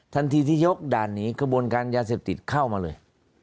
ทันทีที่ยกด่านหนีกระบวนการยาเสพติดเข้ามาเลย